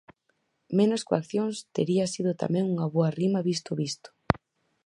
Menos coaccións tería sido tamén unha boa rima visto o visto.